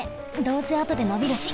どうせあとでのびるし！